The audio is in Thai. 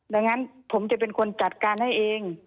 ดังนั้นผมจะเป็นคนจัดการให้เอง